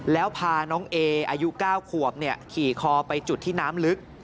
แล้วพาน้องเออายุ๙ขวบขี่คอไปจุดที่น้ำลึก